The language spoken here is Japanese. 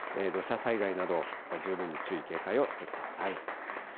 土砂災害など、また十分に注意、警戒をしてください。